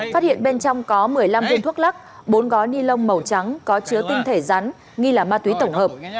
phát hiện bên trong có một mươi năm viên thuốc lắc bốn gói ni lông màu trắng có chứa tinh thể rắn nghi là ma túy tổng hợp